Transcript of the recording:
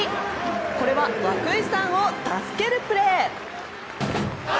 これは涌井さんを助けるプレー。